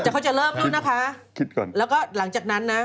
เขาจะเริ่มนึงนะคะแล้วก็หลังจากนั้นนะ